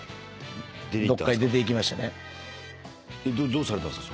どうされたんですか？